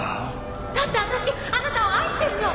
だって私あなたを愛してるの！